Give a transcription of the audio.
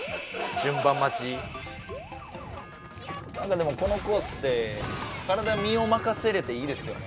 でもこのコースって体身を任せれていいですよね。